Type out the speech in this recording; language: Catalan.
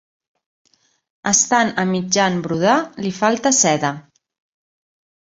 Estant a mitjan brodar, li falta seda.